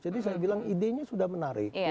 saya bilang idenya sudah menarik